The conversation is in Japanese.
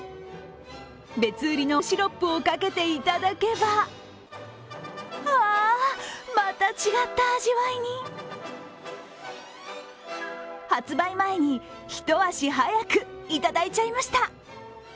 別売りのシロップをかけて、いただけば、あまた違った味わいに発売前に、一足早くいただいちゃいました。